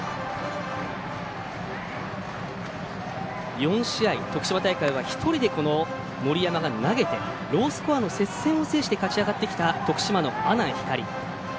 ４試合、徳島大会は１人で、この森山が投げてロースコアの接戦を制して勝ち上がってきた徳島の阿南光。